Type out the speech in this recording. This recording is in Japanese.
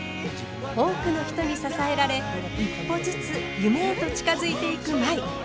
多くの人に支えられ一歩ずつ夢へと近づいていく舞。